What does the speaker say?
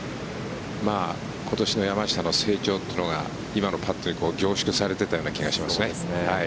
今年の山下の成長というのが今のパットに凝縮されていたような気がしますね。